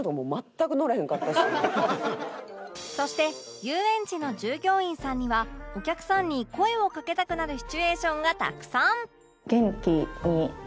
そして遊園地の従業員さんにはお客さんに声をかけたくなるシチュエーションがたくさん！